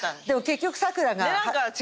でも結局サクラが。